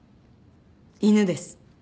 犬です。